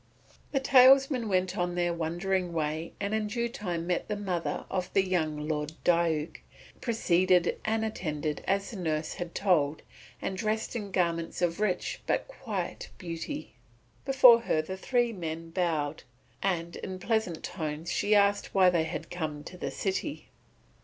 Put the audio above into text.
The talesmen went on their wondering way and in due time met the mother of the young Lord Diuk, preceded and attended as the nurse had told, and dressed in garments of rich but quiet beauty. Before her the three men bowed, and in pleasant tones she asked why they had come to the city.